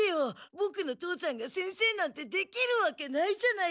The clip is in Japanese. ボクの父ちゃんが先生なんてできるわけないじゃないか。